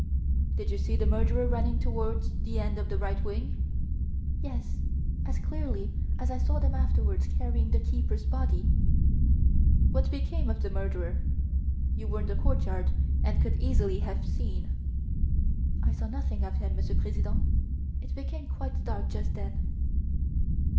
"Did you see the murderer running towards the end of the right wing?" "Yes, as clearly as I saw them afterwards carrying the keeper's body." "What became of the murderer? You were in the courtyard and could easily have seen. "I saw nothing of him, Monsieur President. It became quite dark just then."